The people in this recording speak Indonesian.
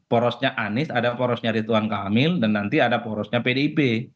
porosnya anies ada porosnya rituan kamil dan nanti ada porosnya pdip